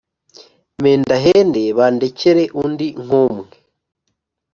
mpendahende bandekere undi nk’umwe